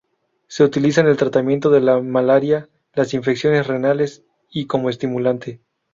Se utiliza en el tratamiento de la malaria las infecciones renales y como estimulante.